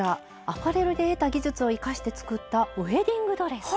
アパレルで得た技術を生かして作った「ウエディングドレス」。